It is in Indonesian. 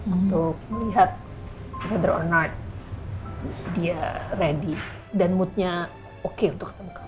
untuk melihat apakah dia bersedia dan moodnya oke untuk ketemu kamu